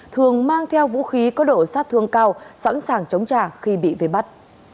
thường mang theo vũ khí có độ sát thương cao sẵn sàng chống trả khi bị về bắt